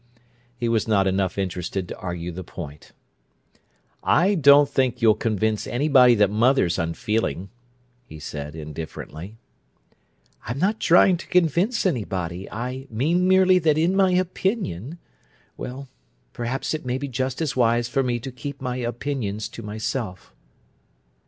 He was not enough interested to argue the point. "I don't think you'll convince anybody that mother's unfeeling," he said indifferently. "I'm not trying to convince anybody. I mean merely that in my opinion—well, perhaps it may be just as wise for me to keep my opinions to myself."